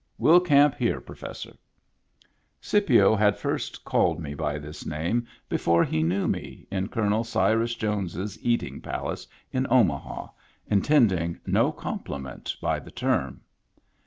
We'll camp here. Professor." Scipio had first called me by this name before Digitized by Google TIMBERLINE 137 he knew me, in Colonel Cyrus Jones's Eating Pal ace in Omaha, intending no compliment by the term.